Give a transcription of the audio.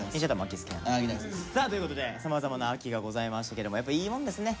さあということでさまざまな秋がございましたけどもやっぱいいもんですね